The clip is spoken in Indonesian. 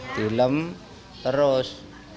di lem terus